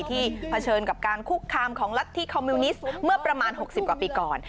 เผชิญกับการคุกคามของรัฐธิคอมมิวนิสต์เมื่อประมาณ๖๐กว่าปีก่อน